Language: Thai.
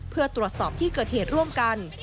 เพื่อตรวจสอบที่เกิดเหตุร่วมกัน